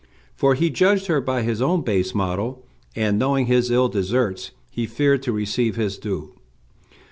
For he judged her by his own base model, and, knowing his ill deserts, he feared to receive his due.